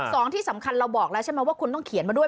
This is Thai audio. สองที่สำคัญเราบอกแล้วใช่ไหมว่าคุณต้องเขียนมาด้วย